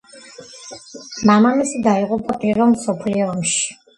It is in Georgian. მამამისი დაიღუპა პირველ მსოფლიო ომში.